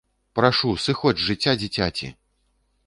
Прашу, сыходзь з жыцця дзіцяці!